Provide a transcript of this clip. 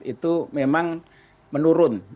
itu memang menurun